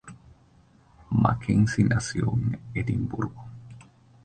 Mackenzie nació en Edimburgo.